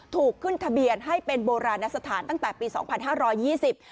ถูกขึ้นทะเบียนให้เป็นโบราณสถานตั้งแต่ปีสองพันห้าร้อยยี่สิบ